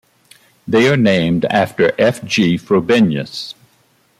They are named after F. G. Frobenius.